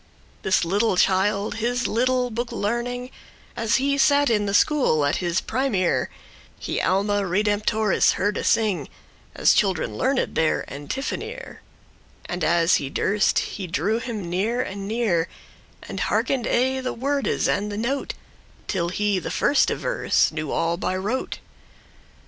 This little child his little book learning, As he sat in the school at his primere, He Alma redemptoris <7> hearde sing, As children learned their antiphonere; <8> And as he durst, he drew him nere and nere,* *nearer And hearken'd aye the wordes and the note, Till he the firste verse knew all by rote.